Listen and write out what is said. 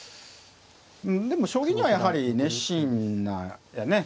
でも将棋にはやはり熱心でね。